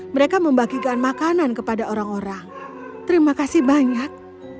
mereka membagikan makanan kepada orang orang terima kasih banyak